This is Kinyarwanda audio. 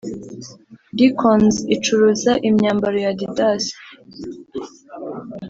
Dickons icuruza imyambaro ya Addidas